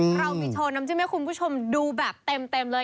เรามีโชว์น้ำจิ้มให้คุณผู้ชมดูแบบเต็มเลย